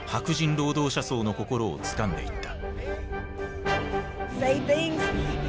労働者層の心をつかんでいった。